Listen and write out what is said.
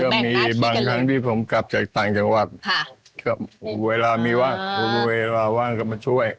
ก็มีบางครั้งที่ผมกลับจากต่างจังหวัดเวลามีว่างเวลาว่างก็มาช่วย